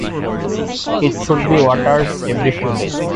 It should be watered every few days.